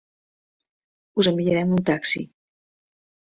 Us enviarem un taxi.